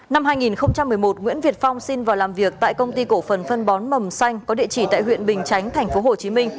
năm hai nghìn một mươi một nguyễn việt phong xin vào làm việc tại công ty cổ phần phân bón mầm xanh có địa chỉ tại huyện bình chánh tp hcm